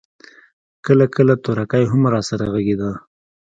کله کله تورکى هم راسره ږغېده.